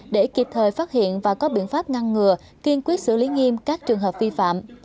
để kịp thời phát hiện và có biện pháp ngăn ngừa kiên quyết xử lý nghiêm các trường hợp vi phạm